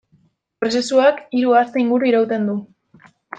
Prozesuak hiru aste inguru irauten du.